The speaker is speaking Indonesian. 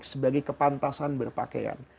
sebagai kepantasan berpakaian